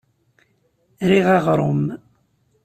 Riɣ aɣrum.